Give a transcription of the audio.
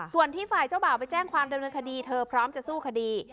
ส่วนที่ฝ่ายเจ้าบ่าวไปแจ้งความดำเนินคดีเธอพร้อมจะสู้คดี